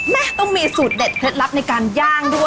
ต้องมีสูตรเด็ดเคล็ดลับในการย่างด้วย